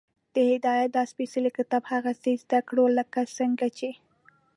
د هدایت دا سپېڅلی کتاب هغسې زده کړو، لکه څنګه چې